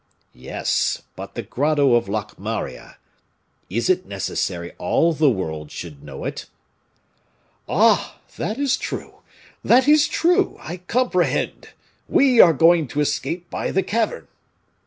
"Yes; but the grotto of Locmaria is it necessary all the world should know it?" "Ah! that is true, that is true; I comprehend. We are going to escape by the cavern."